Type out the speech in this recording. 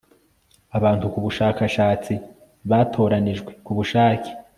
abantu kubushakashatsi batoranijwe kubushake